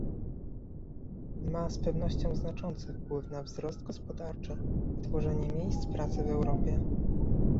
Ma z pewnością znaczący wpływ na wzrost gospodarczy i tworzenie miejsc pracy w Europie